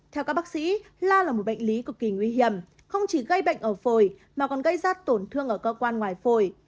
theo các bác sĩ la là một bệnh lý cực kỳ nguy hiểm không chỉ gây bệnh ở phổi mà còn gây ra tổn thương ở cơ quan ngoài phổi